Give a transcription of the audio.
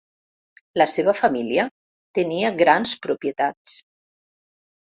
La seva família tenia grans propietats.